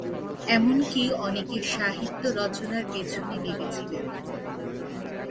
এমনকি অনেকে সাহিত্য রচনার পেছনে লেগেছিলেন।